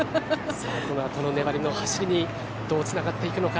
このあとの粘りの走りにどうつながっていくのか。